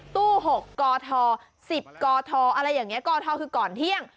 ตู้๖กท๑๐กทอะไรอย่างนี้กทคือก่อนเที่ยง